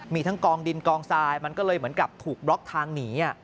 มีทั้งกองดินกองทรายมันก็เลยเหมือนกับถูกบล็อกทางหนี